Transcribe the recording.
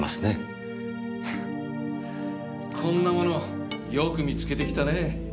フッこんなものよく見つけてきたねぇ。